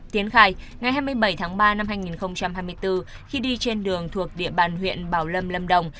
tiến khai ngày hai mươi bảy tháng ba năm hai nghìn hai mươi bốn khi đi trên đường thuộc địa bàn huyện bảo lâm lâm đồng